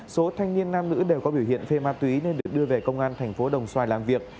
số thanh niên nam nữ đều có biểu hiện phê ma túy nên được đưa về công an thành phố đồng xoài làm việc